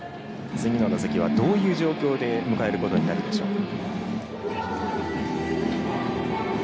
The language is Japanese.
次の打席はどういう状況で迎えることになるでしょうか。